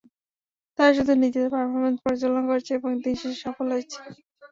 তারা শুধু নিজেদের পারফরম্যান্স পর্যালোচনা করেছে এবং দিন শেষে সফল হয়েছে।